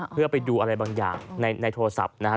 เพื่อไปดูอะไรบางอย่างในโทรศัพท์นะครับ